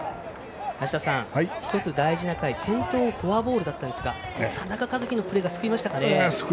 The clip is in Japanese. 梨田さん、大事な回先頭フォアボールだったんですが田中和基のプレーが救いましたかね。